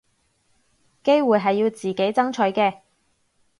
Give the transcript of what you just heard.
機會係要自己爭取嘅